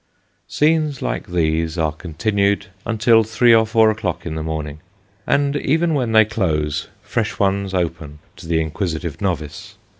Scenes like these are continued until three or four o'clock in the morning ; and even when they close, fresh ones open to the inquisitive novice.